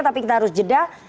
tapi kita harus jeda